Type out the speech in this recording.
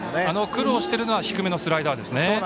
苦労しているのは低めのスライダーですね。